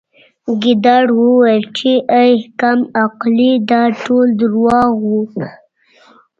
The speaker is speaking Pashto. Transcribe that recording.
ګیدړ وویل چې اې کم عقلې دا ټول درواغ وو